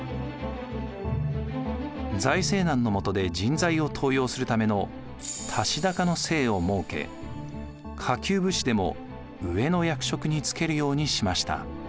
財政難のもとで人材を登用するための足高の制を設け下級武士でも上の役職に就けるようにしました。